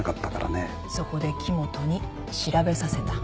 そこで木元に調べさせた。